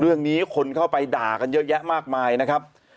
คนนี้คนเข้าไปด่ากันเยอะแยะมากมายนะครับ